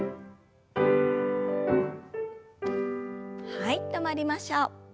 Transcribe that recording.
はい止まりましょう。